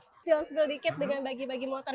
silahkan sedikit bagi bagi motor